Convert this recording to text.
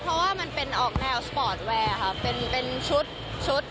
เพราะว่ามันเป็นออกแนวสปอร์ตแวร์ค่ะเป็นชุด